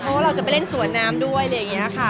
เพราะว่าเราจะไปเล่นสวนน้ำด้วยอะไรอย่างนี้ค่ะ